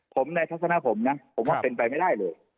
ผมในทัศนะผมนะผมว่าเป็นไปไม่ได้เลย